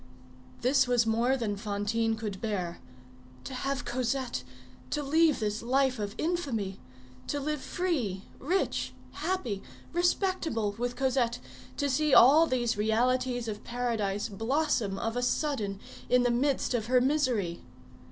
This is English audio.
This was more than Fantine could bear. To have Cosette! To leave this life of infamy. To live free, rich, happy, respectable with Cosette; to see all these realities of paradise blossom of a sudden in the midst of her misery.